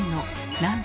何だ？